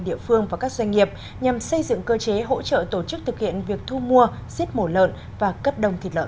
địa phương và các doanh nghiệp nhằm xây dựng cơ chế hỗ trợ tổ chức thực hiện việc thu mua giết mổ lợn và cấp đồng thịt lợn